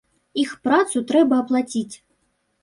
Іх працу трэба аплаціць.